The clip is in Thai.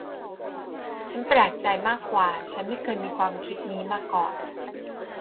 ฉันแปลกใจมากว่าฉันไม่เคยมีความคิดนี้มาก่อน